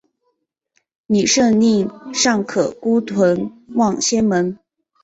李晟令尚可孤屯望仙门。